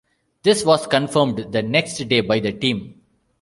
This was confirmed the next day by the team.